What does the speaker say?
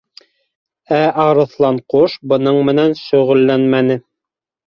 ӘАрыҫланҡош бының менән шөғөлләнмәне.